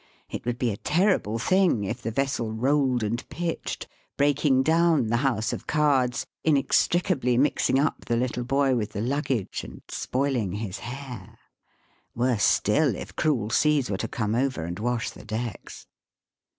It would be a terrible thing if the vessel rolled and pitched, breaking down the house of cards, inextricably mixing up the little boy with the luggage and spoiling his hair. Worse still, if cruel seas were to come over and wash the decks.